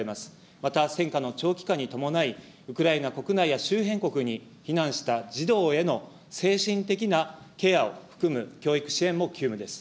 またせんかの長期化に伴い、ウクライナ国内や周辺国に避難した児童への精神的なケアを含む教育支援も急務です。